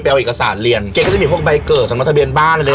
เอาเอกสารเรียนแกก็จะมีพวกใบเกิดสำหรับทะเบียนบ้านอะไรเลย